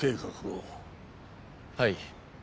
はい。